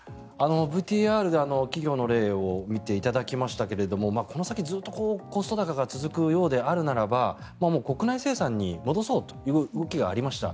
ＶＴＲで企業の例を見てもらいましたがこの先ずっとコスト高が続くようであるならば国内生産に戻そうという動きがありました。